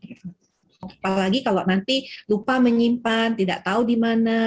apalagi kalau nanti lupa menyimpan tidak tahu di mana